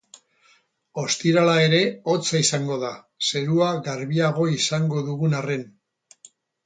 Ostirala ere hotza izango da, zerua garbiago izango dugun arren.